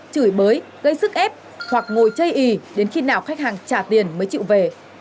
chửi bới gây sức ép hoặc ngồi chây ý đến khi nào khách hàng trả tiền mới chịu về